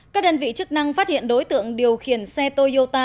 các đơn vị chức năng phát hiện đối tượng điều khiển xe toyota